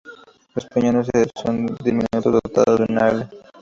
Los piñones son diminutos, dotados de una ala.